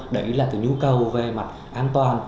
đấy là cái nhu cầu về mặt an toàn